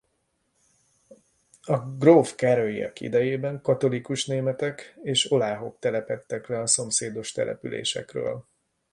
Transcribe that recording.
A gróf Károlyiak idejében katolikus németek és oláhok telepedtek be a szomszédos településekről.